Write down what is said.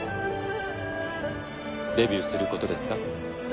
デビューすることですか？